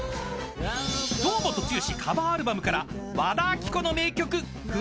［堂本剛カバーアルバムから和田アキ子の名曲『古い日記』］